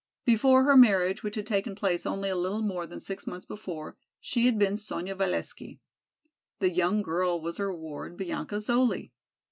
Before her marriage which had taken place only a little more than six months before, she had been Sonya Valesky. The young girl was her ward, Bianca Zoli.